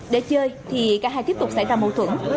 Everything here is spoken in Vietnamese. để chơi thì cả hai tiếp tục xảy ra mâu thuẫn